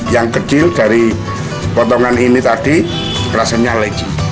yang kecil dari potongan ini tadi rasanya legi